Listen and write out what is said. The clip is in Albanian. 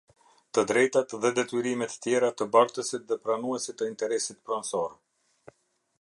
Të Drejtat dhe Detyrimet Tjera të Bartësit dhe Pranuesit të Interesit Pronësor.